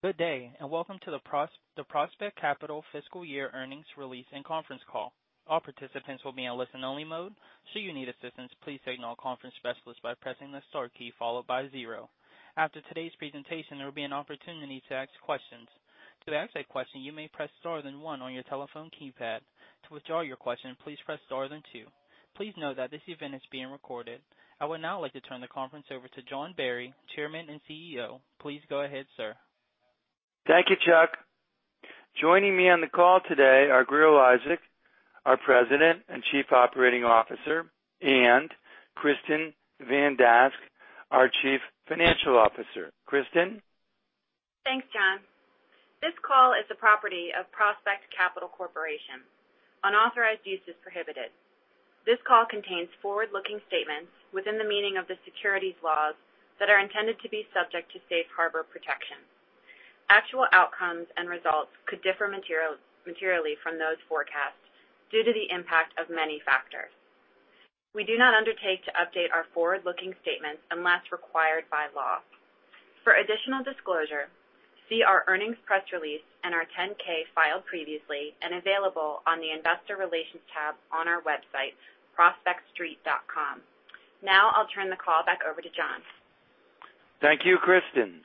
Good day, welcome to the Prospect Capital fiscal year earnings release and conference call. All participants will be in listen only mode. Should you need assistance, please signal a conference specialist by pressing the star key followed by zero. After today's presentation, there will be an opportunity to ask questions. To ask a question, you may press star then one on your telephone keypad. To withdraw your question, please press star then two. Please note that this event is being recorded. I would now like to turn the conference over to John Barry, Chairman and CEO. Please go ahead, sir. Thank you, Chuck. Joining me on the call today are Grier Eliasek, our President and Chief Operating Officer, and Kristin Van Dask, our Chief Financial Officer. Kristin? Thanks, John. This call is the property of Prospect Capital Corporation. Unauthorized use is prohibited. This call contains forward-looking statements within the meaning of the securities laws that are intended to be subject to Safe Harbor protection. Actual outcomes and results could differ materially from those forecasts due to the impact of many factors. We do not undertake to update our forward-looking statements unless required by law. For additional disclosure, see our earnings press release and our 10-K filed previously and available on the investor relations tab on our website, prospectstreet.com. Now, I'll turn the call back over to John. Thank you, Kristin.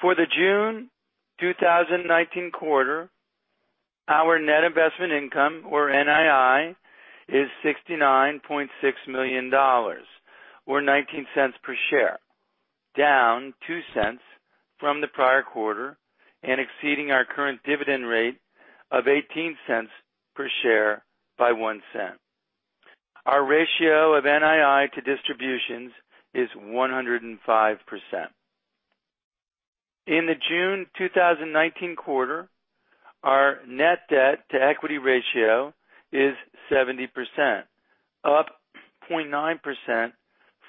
For the June 2019 quarter, our net investment income, or NII, is $69.6 million, or $0.19 per share, down $0.02 from the prior quarter and exceeding our current dividend rate of $0.18 per share by $0.01. Our ratio of NII to distributions is 105%. In the June 2019 quarter, our net debt to equity ratio is 70%, up 0.9%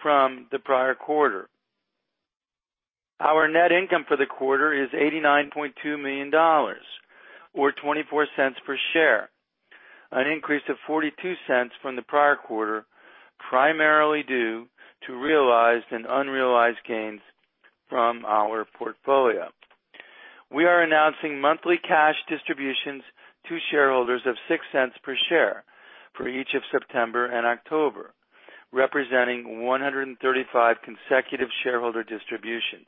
from the prior quarter. Our net income for the quarter is $89.2 million, or $0.24 per share, an increase of $0.42 from the prior quarter, primarily due to realized and unrealized gains from our portfolio. We are announcing monthly cash distributions to shareholders of $0.06 per share for each of September and October, representing 135 consecutive shareholder distributions.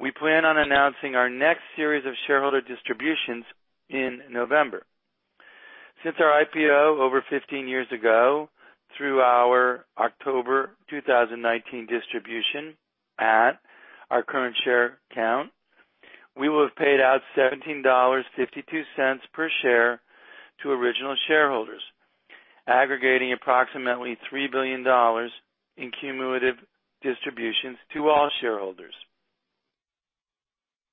We plan on announcing our next series of shareholder distributions in November. Since our IPO over 15 years ago, through our October 2019 distribution at our current share count, we will have paid out $17.52 per share to original shareholders, aggregating approximately $3 billion in cumulative distributions to all shareholders.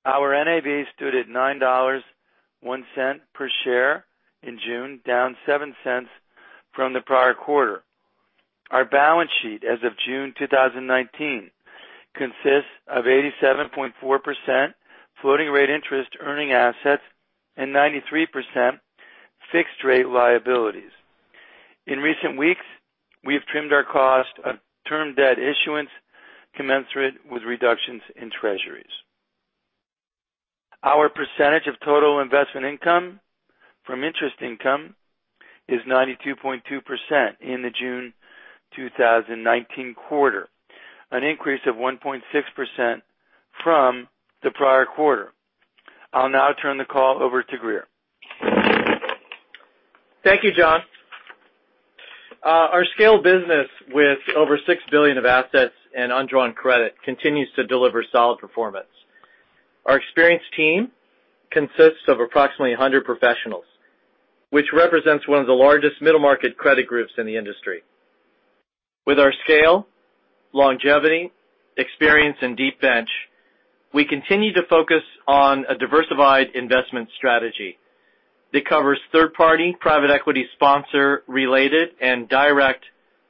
Our NAV stood at $9.01 per share in June, down $0.07 from the prior quarter. Our balance sheet as of June 2019 consists of 87.4% floating rate interest earning assets and 93% fixed rate liabilities. In recent weeks, we have trimmed our cost of term debt issuance commensurate with reductions in treasuries. Our percentage of total investment income from interest income is 92.2% in the June 2019 quarter, an increase of 1.6% from the prior quarter. I'll now turn the call over to Grier. Thank you, John. Our scale business with over $6 billion of assets and undrawn credit continues to deliver solid performance. Our experienced team consists of approximately 100 professionals, which represents one of the largest middle-market credit groups in the industry. With our scale, longevity, experience, and deep bench, we continue to focus on a diversified investment strategy that covers third-party, private equity sponsor-related and direct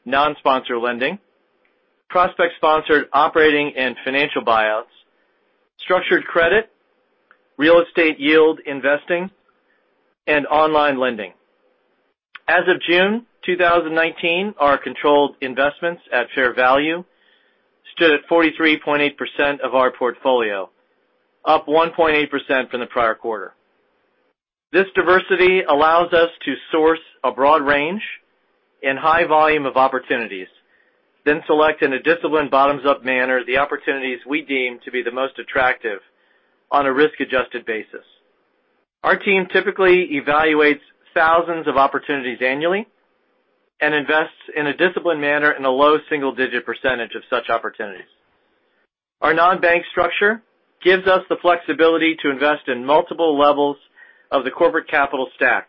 non-sponsor lending, Prospect-sponsored operating and financial buyouts, structured credit, real estate yield investing, and online lending. As of June 2019, our controlled investments at fair value stood at 43.8% of our portfolio, up 1.8% from the prior quarter. This diversity allows us to source a broad range and high volume of opportunities, then select in a disciplined bottoms-up manner the opportunities we deem to be the most attractive on a risk-adjusted basis. Our team typically evaluates thousands of opportunities annually and invests in a disciplined manner in a low single-digit percentage of such opportunities. Our non-bank structure gives us the flexibility to invest in multiple levels of the corporate capital stack,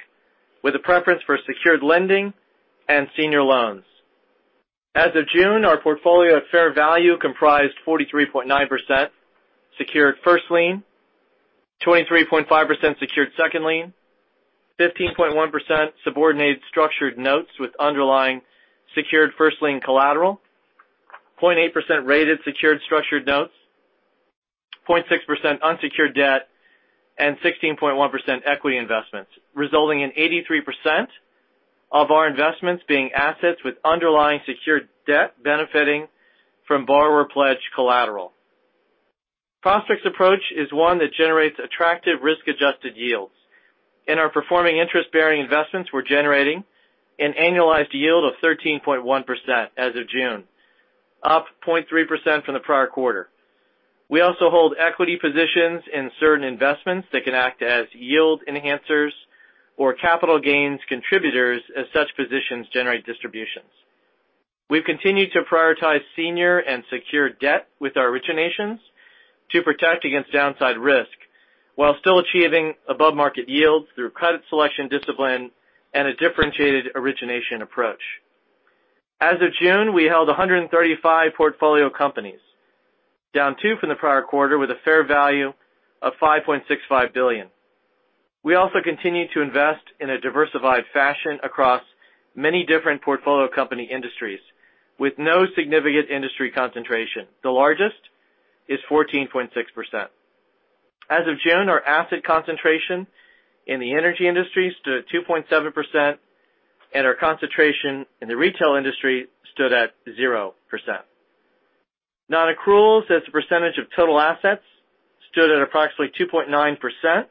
with a preference for secured lending and senior loans. As of June, our portfolio at fair value comprised 43.9% secured first lien, 23.5% secured second lien, 15.1% subordinated structured notes with underlying secured first lien collateral, 0.8% rated secured structured notes, 0.6% unsecured debt, and 16.1% equity investments, resulting in 83% of our investments being assets with underlying secured debt benefiting from borrower pledge collateral. Prospect Capital's approach is one that generates attractive risk-adjusted yields. In our performing interest-bearing investments, we're generating an annualized yield of 13.1% as of June. Up 0.3% from the prior quarter. We also hold equity positions in certain investments that can act as yield enhancers or capital gains contributors as such positions generate distributions. We've continued to prioritize senior and secure debt with our originations to protect against downside risk, while still achieving above-market yields through credit selection discipline and a differentiated origination approach. As of June, we held 135 portfolio companies, down two from the prior quarter, with a fair value of $5.65 billion. We also continue to invest in a diversified fashion across many different portfolio company industries with no significant industry concentration. The largest is 14.6%. As of June, our asset concentration in the energy industry stood at 2.7%, and our concentration in the retail industry stood at 0%. Non-accruals as a percentage of total assets stood at approximately 2.9%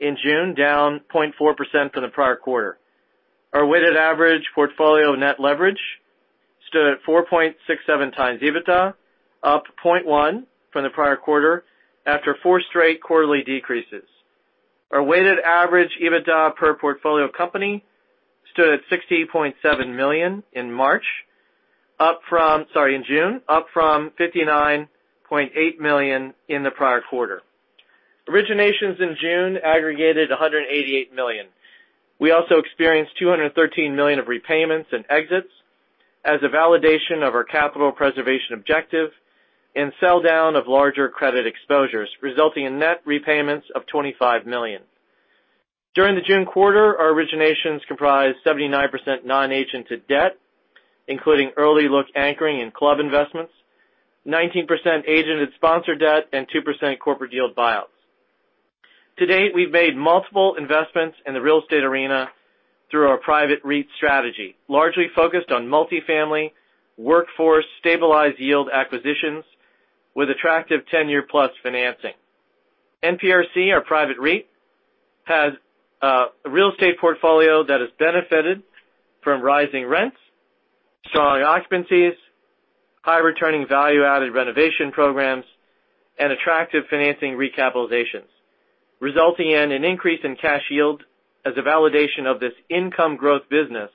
in June, down 0.4% from the prior quarter. Our weighted average portfolio net leverage stood at 4.67x EBITDA, up 0.1 from the prior quarter after four straight quarterly decreases. Our weighted average EBITDA per portfolio company stood at $60.7 million in March. Up from Sorry, in June. Up from $59.8 million in the prior quarter. Originations in June aggregated $188 million. We also experienced $213 million of repayments and exits as a validation of our capital preservation objective and sell-down of larger credit exposures, resulting in net repayments of $25 million. During the June quarter, our originations comprised 79% non-agented debt, including early look anchoring and club investments, 19% agented sponsored debt, and 2% corporate yield buyouts. To date, we've made multiple investments in the real estate arena through our private REIT strategy, largely focused on multi-family, workforce, stabilized yield acquisitions with attractive 10-year plus financing. NPRC, our private REIT, has a real estate portfolio that has benefited from rising rents, strong occupancies, high returning value-added renovation programs, and attractive financing recapitalizations, resulting in an increase in cash yield as a validation of this income growth business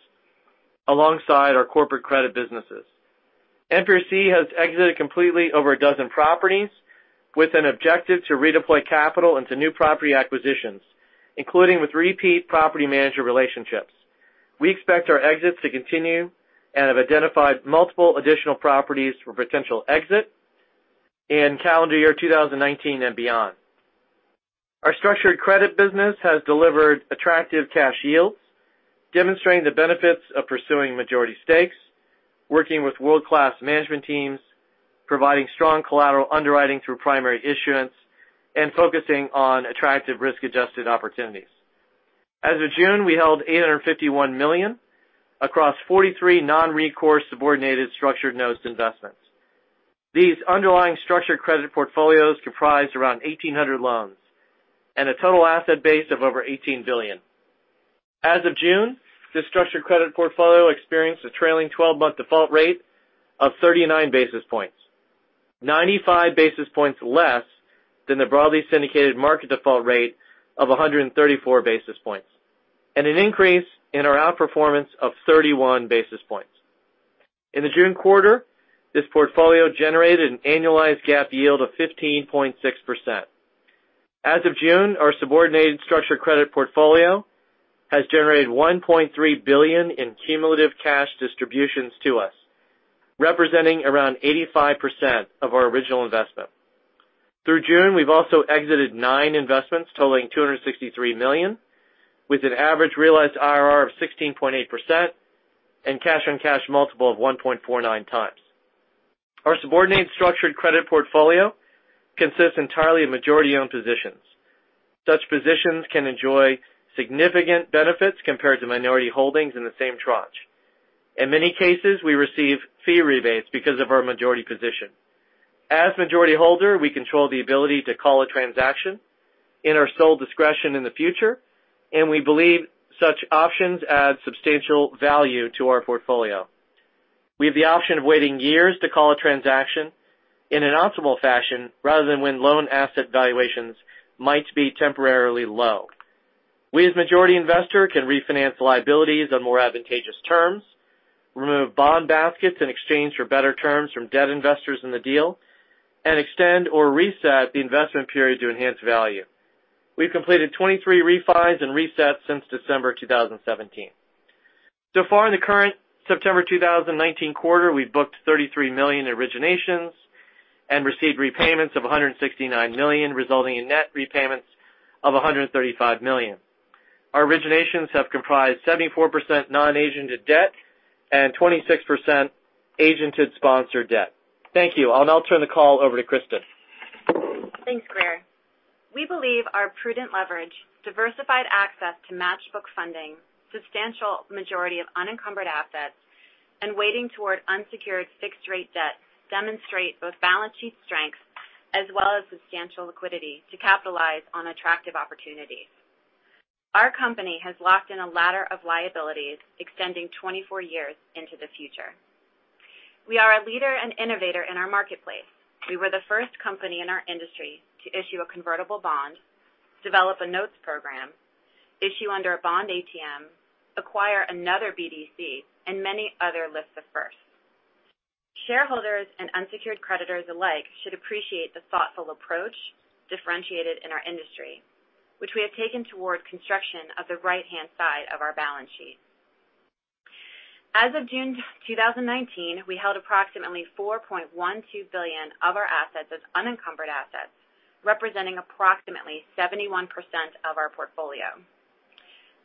alongside our corporate credit businesses. NPRC has exited completely over a dozen properties with an objective to redeploy capital into new property acquisitions, including with repeat property manager relationships. We expect our exits to continue and have identified multiple additional properties for potential exit in calendar year 2019 and beyond. Our structured credit business has delivered attractive cash yields, demonstrating the benefits of pursuing majority stakes, working with world-class management teams, providing strong collateral underwriting through primary issuance, and focusing on attractive risk-adjusted opportunities. As of June, we held $851 million across 43 non-recourse subordinated structured notes investments. These underlying structured credit portfolios comprised around 1,800 loans and a total asset base of over $18 billion. As of June, this structured credit portfolio experienced a trailing 12-month default rate of 39 basis points, 95 basis points less than the broadly syndicated market default rate of 134 basis points, and an increase in our outperformance of 31 basis points. In the June quarter, this portfolio generated an annualized GAAP yield of 15.6%. As of June, our subordinated structured credit portfolio has generated $1.3 billion in cumulative cash distributions to us, representing around 85% of our original investment. Through June, we've also exited nine investments totaling $263 million with an average realized IRR of 16.8% and cash-on-cash multiple of 1.49 times. Our subordinated structured credit portfolio consists entirely of majority-owned positions. Such positions can enjoy significant benefits compared to minority holdings in the same tranche. In many cases, we receive fee rebates because of our majority position. As majority holder, we control the ability to call a transaction in our sole discretion in the future, and we believe such options add substantial value to our portfolio. We have the option of waiting years to call a transaction in an optimal fashion rather than when loan asset valuations might be temporarily low. We, as majority investor, can refinance liabilities on more advantageous terms, remove bond baskets in exchange for better terms from debt investors in the deal, and extend or reset the investment period to enhance value. We've completed 23 refis and resets since December 2017. So far in the current September 2019 quarter, we've booked $33 million in originations and received repayments of $169 million, resulting in net repayments of $135 million. Our originations have comprised 74% non-agented debt and 26% agented sponsored debt. Thank you. I'll now turn the call over to Kristin. Thanks, Grier. We believe our prudent leverage, diversified access to match book funding, substantial majority of unencumbered assets, and weighting toward unsecured fixed rate debt demonstrate both balance sheet strengths as well as substantial liquidity to capitalize on attractive opportunities. Our company has locked in a ladder of liabilities extending 24 years into the future. We are a leader and innovator in our marketplace. We were the first company in our industry to issue a convertible bond, develop an InterNotes program, issue under a bond ATM, acquire another BDC, and many other lists of firsts. Shareholders and unsecured creditors alike should appreciate the thoughtful approach differentiated in our industry, which we have taken toward construction of the right-hand side of our balance sheet. As of June 2019, we held approximately $4.12 billion of our assets as unencumbered assets, representing approximately 71% of our portfolio.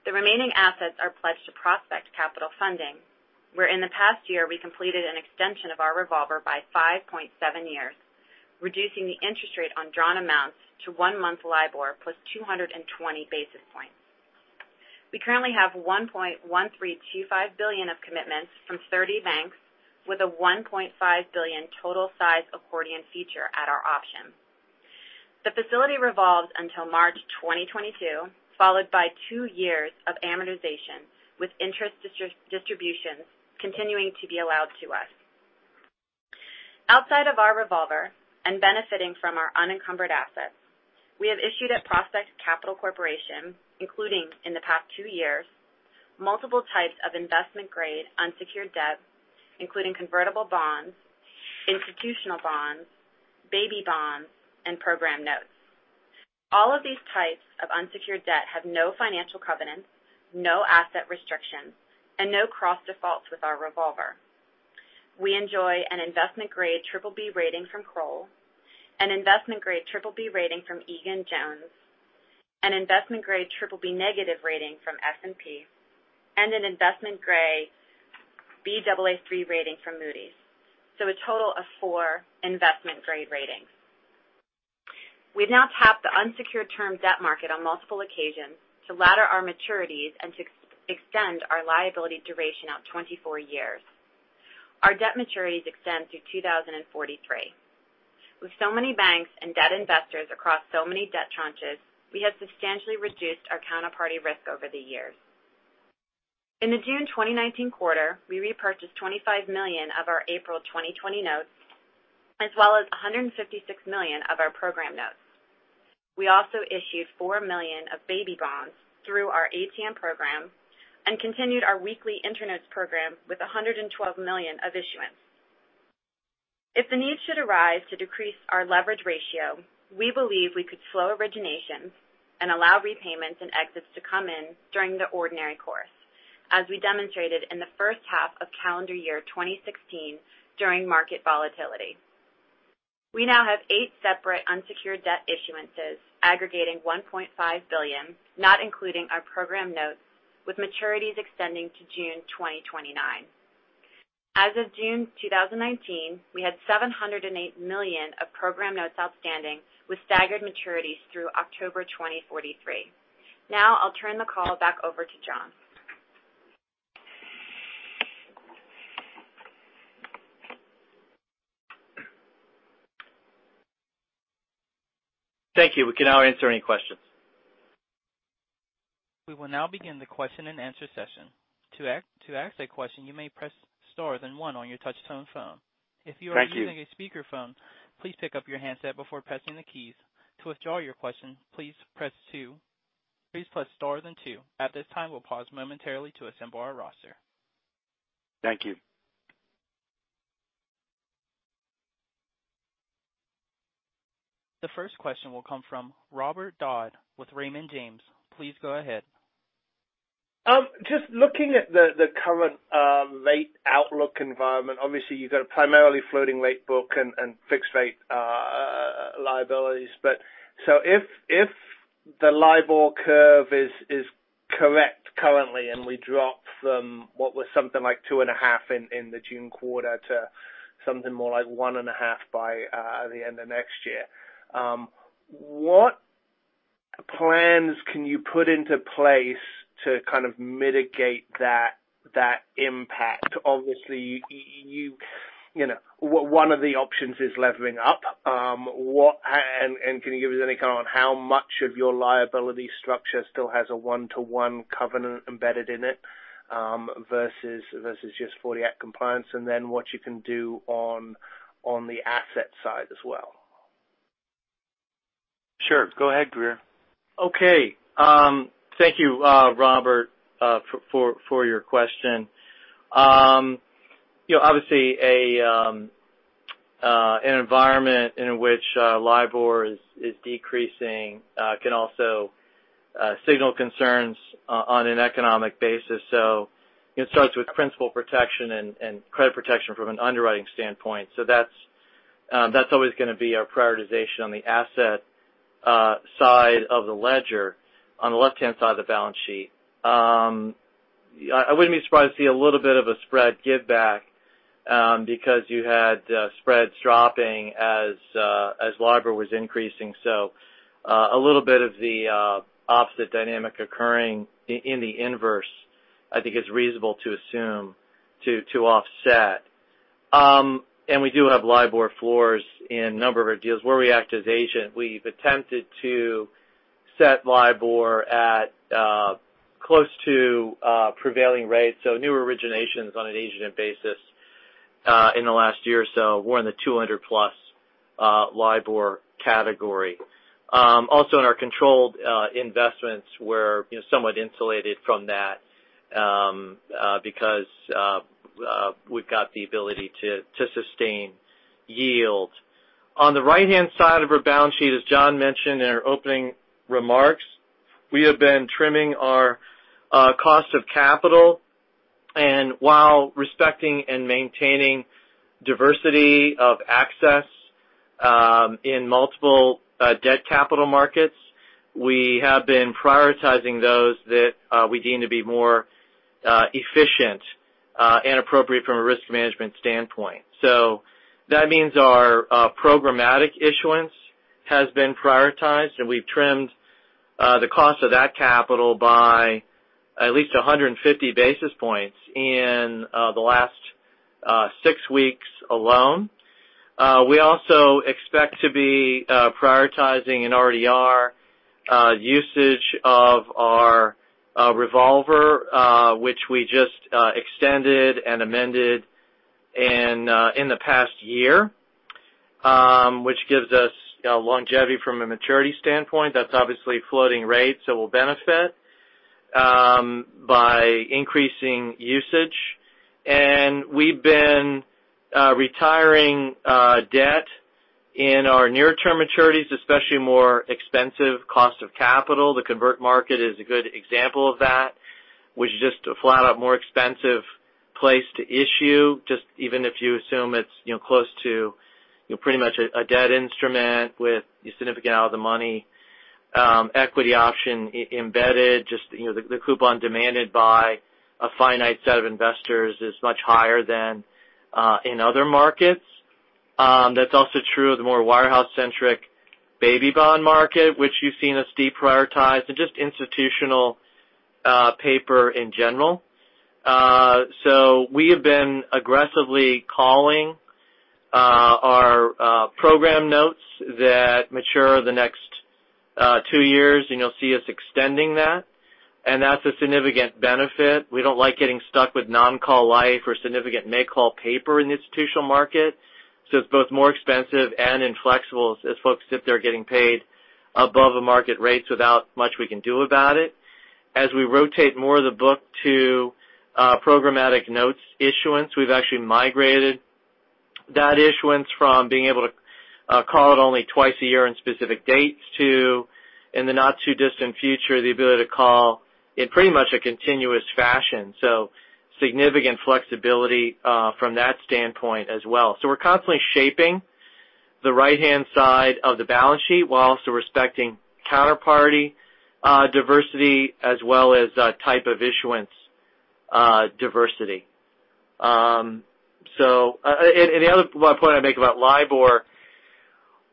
The remaining assets are pledged to Prospect Capital Funding, where in the past year we completed an extension of our revolver by 5.7 years, reducing the interest rate on drawn amounts to one month LIBOR plus 220 basis points. We currently have $1.1325 billion of commitments from 30 banks with a $1.5 billion total size accordion feature at our option. The facility revolves until March 2022, followed by two years of amortization, with interest distributions continuing to be allowed to us. Outside of our revolver and benefiting from our unencumbered assets, we have issued at Prospect Capital Corporation, including in the past two years, multiple types of investment-grade unsecured debt, including convertible bonds, institutional bonds, baby bonds, and program notes. All of these types of unsecured debt have no financial covenants, no asset restrictions, and no cross defaults with our revolver. We enjoy an investment-grade BBB rating from Kroll, an investment-grade BBB rating from Egan-Jones, an investment-grade BBB negative rating from S&P, and an investment-grade Baa3 rating from Moody's. A total of four investment-grade ratings. We've now tapped the unsecured term debt market on multiple occasions to ladder our maturities and to extend our liability duration out 24 years. Our debt maturities extend through 2043. With so many banks and debt investors across so many debt tranches, we have substantially reduced our counterparty risk over the years. In the June 2019 quarter, we repurchased $25 million of our April 2020 notes, as well as $156 million of our program notes. We also issued $4 million of baby bonds through our ATM program and continued our weekly InterNotes program with $112 million of issuance. If the need should arise to decrease our leverage ratio, we believe we could slow originations and allow repayments and exits to come in during the ordinary course, as we demonstrated in the first half of calendar year 2016 during market volatility. We now have eight separate unsecured debt issuances aggregating $1.5 billion, not including our program notes, with maturities extending to June 2029. As of June 2019, we had $708 million of program notes outstanding with staggered maturities through October 2043. Now I'll turn the call back over to John. Thank you. We can now answer any questions. We will now begin the question and answer session. To ask a question you may press star then one on your touch tone phone. Thank you. If you are using a speakerphone, please pick up your handset before pressing the keys. To withdraw your question, please press two. Please press star then two. At this time, we'll pause momentarily to assemble our roster. Thank you. The first question will come from Robert Dodd with Raymond James. Please go ahead. Just looking at the current rate outlook environment. Obviously, you've got a primarily floating rate book and fixed rate liabilities. If the LIBOR curve is correct currently and we drop from what was something like 2.5% in the June quarter to something more like 1.5% by the end of next year, what plans can you put into place to kind of mitigate that impact? Obviously, one of the options is levering up. Can you give us any comment how much of your liability structure still has a 1-to-1 covenant embedded in it versus just 48 compliance and then what you can do on the asset side as well? Sure. Go ahead, Grier. Okay. Thank you, Robert, for your question. Obviously, an environment in which LIBOR is decreasing can also signal concerns on an economic basis. It starts with principal protection and credit protection from an underwriting standpoint. That's always going to be our prioritization on the asset - side of the ledger on the left-hand side of the balance sheet. I wouldn't be surprised to see a little bit of a spread give back because you had spreads dropping as LIBOR was increasing. A little bit of the opposite dynamic occurring in the inverse, I think is reasonable to assume to offset. We do have LIBOR floors in a number of our deals where we act as agent. We've attempted to set LIBOR at close to prevailing rates, so new originations on an agent basis in the last year or so, we're in the 200-plus LIBOR category. Also in our controlled investments, we're somewhat insulated from that because we've got the ability to sustain yield. On the right-hand side of our balance sheet, as John mentioned in our opening remarks, we have been trimming our cost of capital. While respecting and maintaining diversity of access in multiple debt capital markets, we have been prioritizing those that we deem to be more efficient and appropriate from a risk management standpoint. That means our programmatic issuance has been prioritized, and we've trimmed the cost of that capital by at least 150 basis points in the last six weeks alone. We also expect to be prioritizing and already are usage of our revolver which we just extended and amended in the past year which gives us longevity from a maturity standpoint. That's obviously floating rates, so we'll benefit by increasing usage. We've been retiring debt in our near-term maturities, especially more expensive cost of capital. The convert market is a good example of that, which is just a flat out more expensive place to issue, just even if you assume it's close to pretty much a debt instrument with a significant out of the money equity option embedded. Just the coupon demanded by a finite set of investors is much higher than in other markets. That's also true of the more warehouse-centric baby bond market, which you've seen us deprioritize and just institutional paper in general. We have been aggressively calling our program notes that mature the next two years, and you'll see us extending that, and that's a significant benefit. We don't like getting stuck with non-call life or significant may-call paper in the institutional market. It's both more expensive and inflexible as folks sit there getting paid above the market rates without much we can do about it. As we rotate more of the book to programmatic notes issuance, we've actually migrated that issuance from being able to call it only twice a year on specific dates to, in the not too distant future, the ability to call in pretty much a continuous fashion. Significant flexibility from that standpoint as well. We're constantly shaping the right-hand side of the balance sheet while also respecting counterparty diversity as well as type of issuance diversity. The other point I'd make about LIBOR,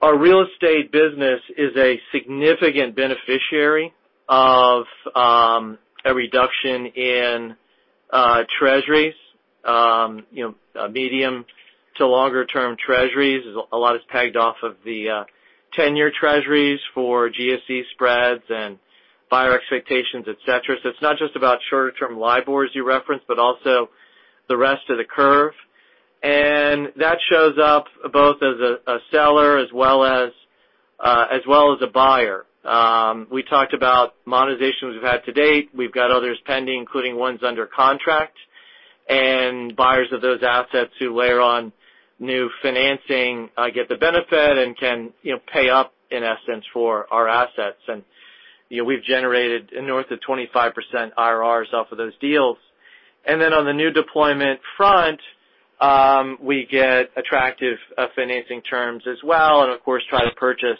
our real estate business is a significant beneficiary of a reduction in treasuries. A medium to longer term treasuries. A lot is pegged off of the tenure treasuries for GSE spreads and buyer expectations, et cetera. It's not just about shorter-term LIBOR as you referenced, but also the rest of the curve. That shows up both as a seller as well as a buyer. We talked about monetizations we've had to date. We've got others pending, including ones under contract, and buyers of those assets who layer on new financing get the benefit and can pay up in essence for our assets. We've generated north of 25% IRRs off of those deals. On the new deployment front, we get attractive financing terms as well and, of course, try to purchase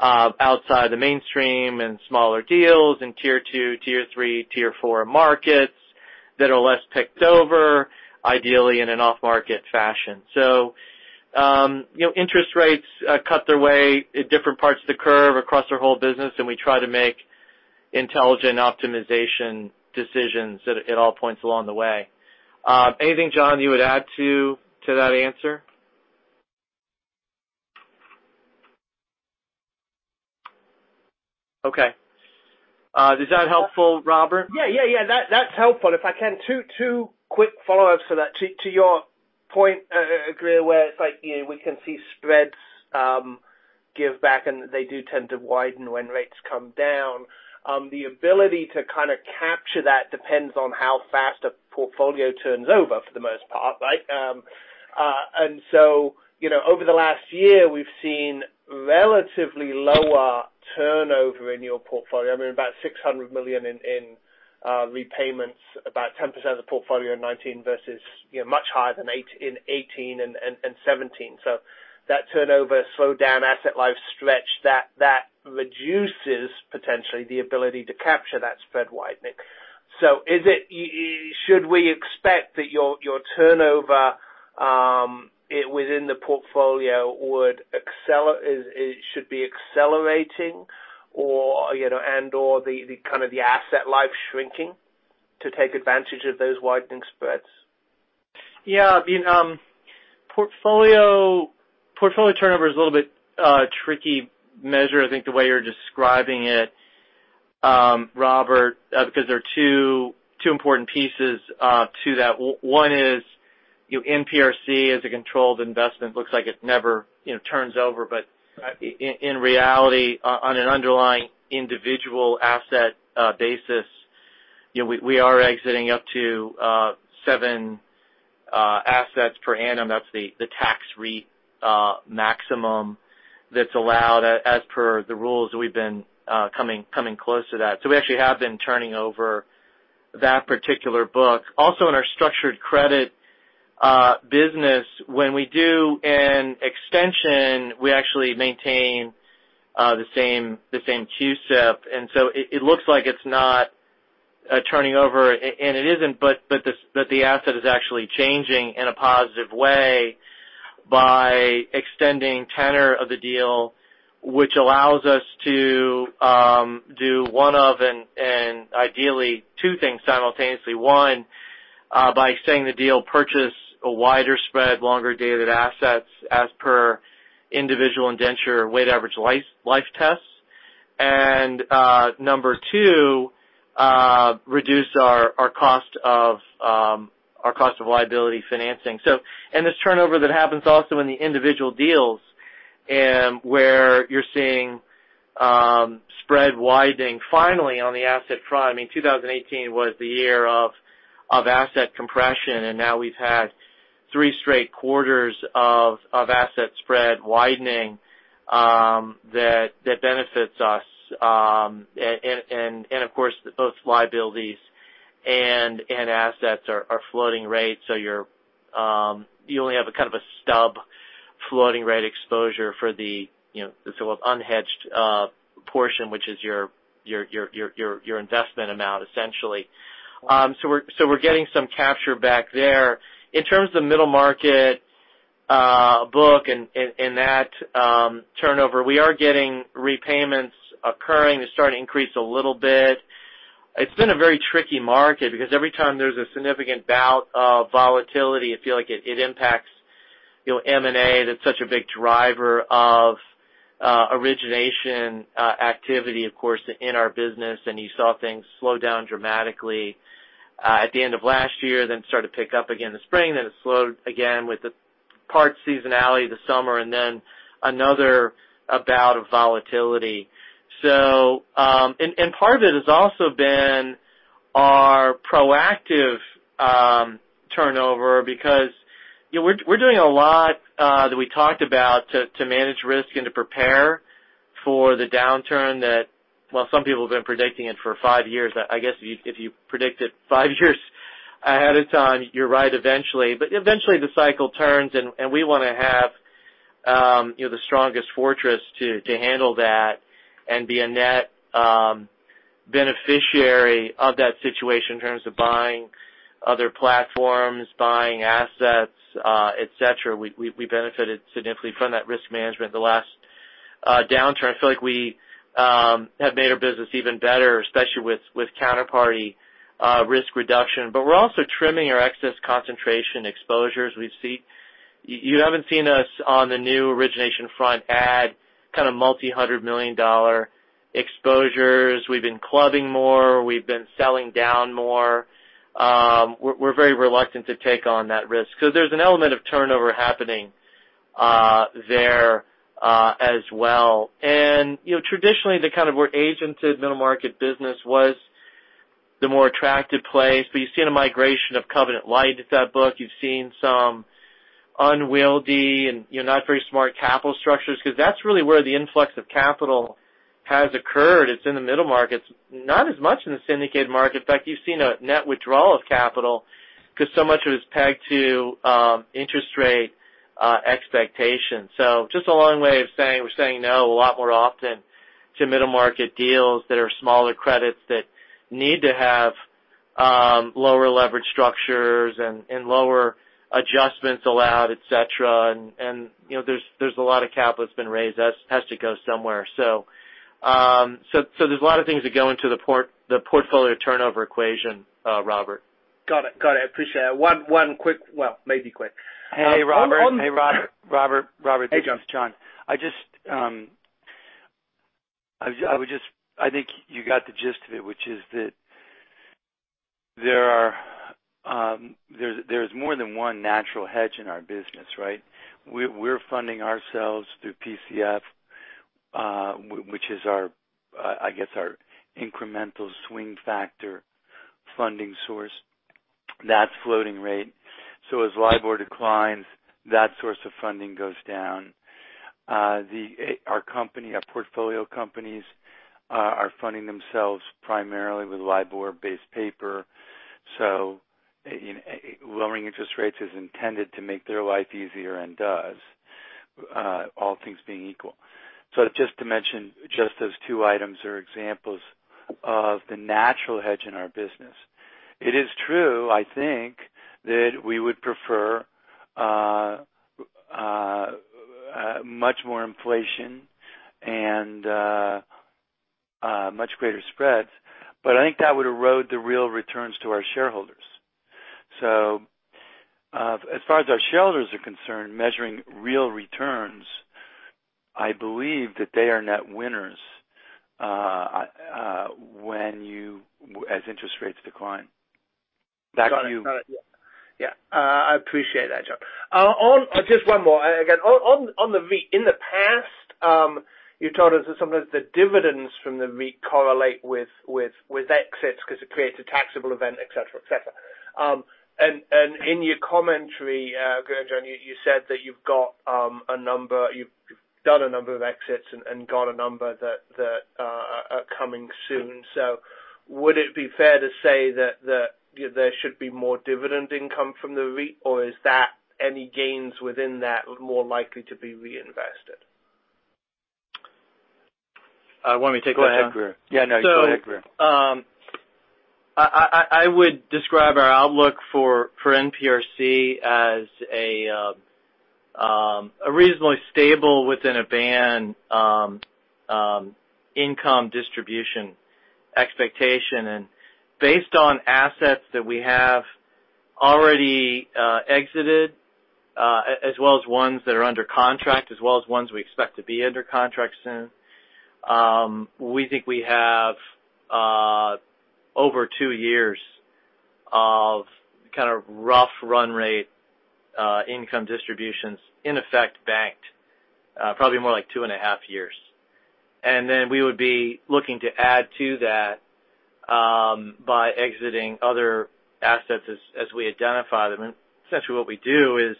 outside the mainstream and smaller deals in tier 2, tier 3, tier 4 markets that are less picked over, ideally in an off-market fashion. Interest rates cut their way at different parts of the curve across our whole business, and we try to make intelligent optimization decisions at all points along the way. Anything, John, you would add to that answer? Okay. Is that helpful, Robert? Yeah. That's helpful. If I can, two quick follow-ups for that. To your point, where it's like we can see spreads give back, and they do tend to widen when rates come down. The ability to kind of capture that depends on how fast a portfolio turns over for the most part, right? Over the last year, we've seen relatively lower turnover in your portfolio. I mean, about $600 million in repayments, about 10% of the portfolio in 2019 versus much higher than in 2018 and 2017. That turnover slowdown asset life stretch, that reduces potentially the ability to capture that spread widening. Should we expect that your turnover within the portfolio should be accelerating and/or the asset life shrinking to take advantage of those widening spreads? Yeah. Portfolio turnover is a little bit tricky measure, I think the way you're describing it, Robert, because there are two important pieces to that. One is, NPRC is a controlled investment. Looks like it never turns over. In reality, on an underlying individual asset basis, we are exiting up to seven assets per annum. That's the tax REIT maximum that's allowed as per the rules. We've been coming close to that. We actually have been turning over that particular book. Also in our structured credit business, when we do an extension, we actually maintain the same QEP. It looks like it's not turning over. It isn't, but the asset is actually changing in a positive way by extending tenor of the deal, which allows us to do one of, and ideally two things simultaneously. One, by saying the deal purchase a wider spread, longer dated assets as per individual indenture weighted average life tests. Number two, reduce our cost of liability financing. This turnover that happens also in the individual deals, where you're seeing spread widening finally on the asset front. I mean, 2018 was the year of asset compression. Now we've had three straight quarters of asset spread widening that benefits us. Of course, both liabilities and assets are floating rates. You only have a kind of a stub floating rate exposure for the sort of unhedged portion, which is your investment amount, essentially. We're getting some capture back there. In terms of the middle market book and that turnover, we are getting repayments occurring. They're starting to increase a little bit. It's been a very tricky market because every time there's a significant bout of volatility, I feel like it impacts M&A. That's such a big driver of origination activity, of course, in our business. You saw things slow down dramatically at the end of last year, then start to pick up again in the spring. It slowed again with the part seasonality of the summer, and then another bout of volatility. Part of it has also been our proactive turnover because we're doing a lot that we talked about to manage risk and to prepare for the downturn that while some people have been predicting it for five years. I guess if you predict it five years ahead of time, you're right eventually. Eventually the cycle turns, and we want to have the strongest fortress to handle that and be a net beneficiary of that situation in terms of buying other platforms, buying assets, et cetera. We benefited significantly from that risk management the last downturn. I feel like we have made our business even better, especially with counterparty risk reduction. We're also trimming our excess concentration exposures we see. You haven't seen us on the new origination front add kind of multi-hundred million dollar exposures. We've been clubbing more. We've been selling down more. We're very reluctant to take on that risk because there's an element of turnover happening there as well. Traditionally, the kind of where agented middle market business was the more attractive place. You've seen a migration of covenant light at that book. You've seen some unwieldy and not very smart capital structures because that's really where the influx of capital has occurred. It's in the middle markets. Not as much in the syndicated market. In fact, you've seen a net withdrawal of capital because so much of it is pegged to interest rate expectations. Just a long way of saying we're saying no a lot more often to middle-market deals that are smaller credits that need to have lower leverage structures and lower adjustments allowed, et cetera. There's a lot of capital that's been raised that has to go somewhere. There's a lot of things that go into the portfolio turnover equation, Robert. Got it. Appreciate it. One quick Well, maybe quick. Hey, Robert. This is John. I think you got the gist of it, which is that there's more than one natural hedge in our business, right? We're funding ourselves through PCF, which is our incremental swing factor funding source. That's floating rate. As LIBOR declines, that source of funding goes down. Our portfolio companies are funding themselves primarily with LIBOR-based paper. Lowering interest rates is intended to make their life easier and does, all things being equal. Just to mention, just those two items are examples of the natural hedge in our business. It is true, I think, that we would prefer much more inflation and much greater spreads. I think that would erode the real returns to our shareholders. As far as our shareholders are concerned, measuring real returns, I believe that they are net winners as interest rates decline. Back to you. Got it. Yeah. I appreciate that, John. Just one more. Again, in the past, you told us that sometimes the dividends from the REIT correlate with exits because it creates a taxable event, et cetera. In your commentary, John, you said that you've done a number of exits and got a number that are coming soon. Would it be fair to say that there should be more dividend income from the REIT, or is any gains within that more likely to be reinvested? Want me to take that? Go ahead, Grier. Yeah, no, you go ahead, Grier. I would describe our outlook for NPRC as a reasonably stable within a band income distribution expectation. Based on assets that we have already exited as well as ones that are under contract, as well as ones we expect to be under contract soon, we think we have over two years of kind of rough run rate income distributions in effect banked. Probably more like two and a half years. We would be looking to add to that by exiting other assets as we identify them. Essentially what we do is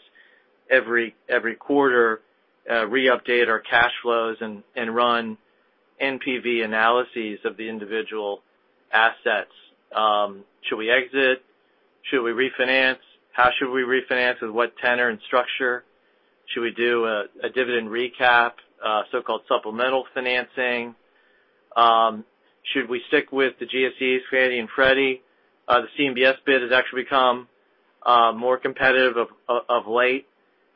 every quarter re-update our cash flows and run NPV analyses of the individual assets. Should we exit? Should we refinance? How should we refinance? With what tenor and structure? Should we do a dividend recap, so-called supplemental financing? Should we stick with the GSEs, Fannie and Freddie? The CMBS bid has actually become more competitive of late,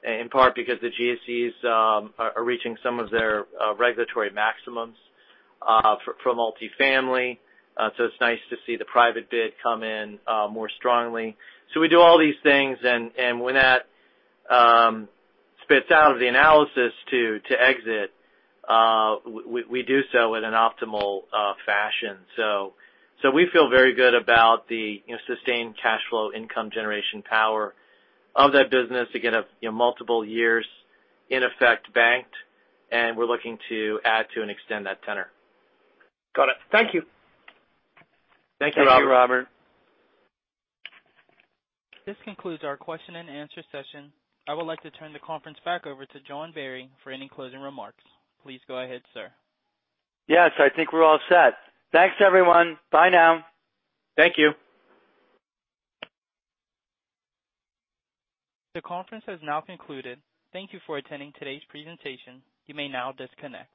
in part because the GSEs are reaching some of their regulatory maximums for multifamily. It's nice to see the private bid come in more strongly. We do all these things, and when that spits out of the analysis to exit, we do so in an optimal fashion. We feel very good about the sustained cash flow income generation power of that business to get multiple years in effect banked, and we're looking to add to and extend that tenor. Got it. Thank you. Thank you, Robert. Thank you, Robert. This concludes our question and answer session. I would like to turn the conference back over to John Barry for any closing remarks. Please go ahead, sir. Yes, I think we're all set. Thanks, everyone. Bye now. Thank you. The conference has now concluded. Thank you for attending today's presentation. You may now disconnect.